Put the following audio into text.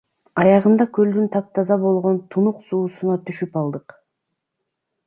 Аягында көлдүн таптаза болгон тунук суусуна түшүп алдык.